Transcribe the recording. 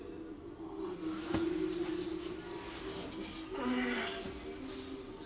うん。